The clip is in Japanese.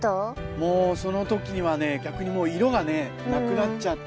もうその時は逆に色がなくなっちゃった。